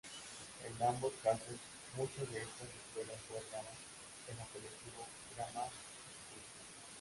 En ambos casos, muchas de estas escuelas guardaron el apelativo grammar school.